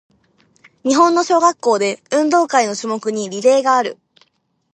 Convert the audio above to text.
日本の小学校で、運動会の種目にリレーがある。